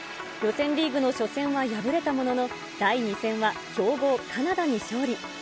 予選リーグの初戦は敗れたものの、第２戦は強豪カナダに勝利。